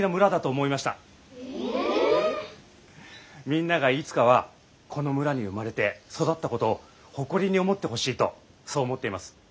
みんながいつかはこの村に生まれて育ったことを誇りに思ってほしいとそう思っています。